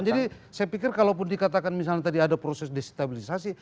jadi saya pikir kalau pun dikatakan misalnya tadi ada proses destabilisasi